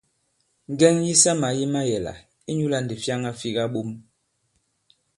Ŋgɛŋ yisamà yi mayɛ̀là, inyūlā ndǐ fyaŋa fi kaɓom.